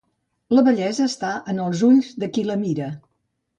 La bellesa està en els ulls de qui la mira.